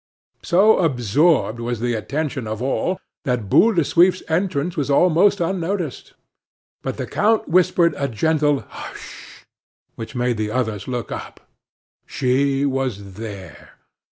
So absorbed was the attention of all that Boule de Suif's entrance was almost unnoticed. But the count whispered a gentle "Hush!" which made the others look up. She was there.